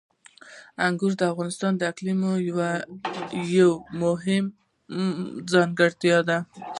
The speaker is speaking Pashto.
انګور د افغانستان د اقلیم یوه مهمه ځانګړتیا ده.